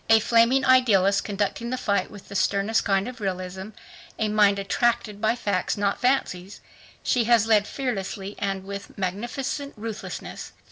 A flaming idealist, conducting the fight with the sternest kind of realism, a mind attracted by facts, not fancies, she has led fearlessly and with magnificent ruthlessness.